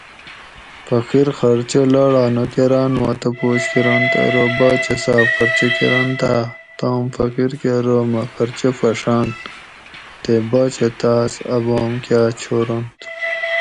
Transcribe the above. فقیر خرچہ لاڑا نوکراۤن ما تپوس کرنت ارو باچہ صاۤب خرچہ کرنتاۤ تام فقیر کہ ارو مہ خرچہ پھڛاۤن تے باچہ تاۤس ابام کاۤ چھورنت